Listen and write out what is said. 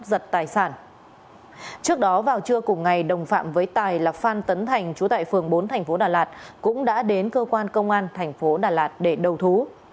giật tài sản trước đó vào trưa cùng ngày đồng phạm với tài là phan tấn thành chú tại phường bốn tp đà lạt cũng đã đến cơ quan công an tp đà lạt để đầu thú